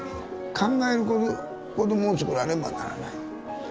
考える子どもをつくらねばならない。